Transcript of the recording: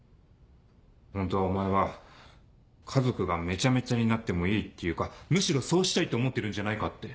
ホントはお前は家族がめちゃめちゃになってもいいっていうかむしろそうしたいって思ってるんじゃないかって。